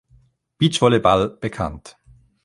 Beachvolleyball" bekannt.